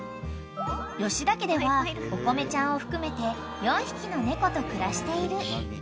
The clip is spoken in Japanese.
［吉田家ではおこめちゃんを含めて４匹の猫と暮らしている］